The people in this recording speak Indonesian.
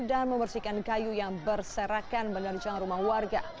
dan membersihkan kayu yang berserakan menerjang rumah warga